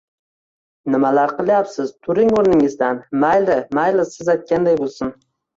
Nimalar qilyapsiz! Turing oʻrningizdan! Mayli, mayli siz aytganday boʻlsin!..